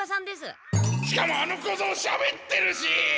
しかもあのこぞうしゃべってるし！